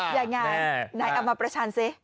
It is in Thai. อย่างไรไหนเอามาประชาญซิ